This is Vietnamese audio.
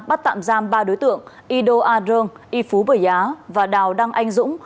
bắt tạm giam ba đối tượng yido arong yifu bờ giá và đào đăng anh dũng